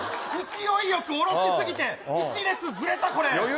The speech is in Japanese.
勢いよくおろし過ぎて１列ずれた。